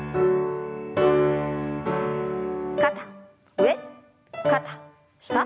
肩上肩下。